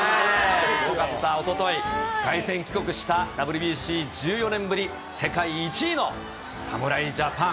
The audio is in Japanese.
すごかった、おととい、凱旋帰国したＷＢＣ１４年ぶり世界１位の侍ジャパン。